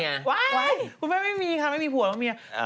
กูแม่ไม่มีค่ะผมไม่มีผัวหรอกเมีย